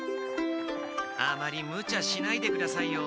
あまりムチャしないでくださいよ。